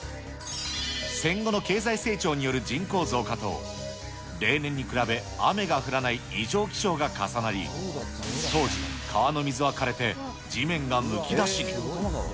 戦後の経済成長による人口増加と、例年に比べ雨が降らない異常気象が重なり、当時、川の水が枯れて地面がむき出しに。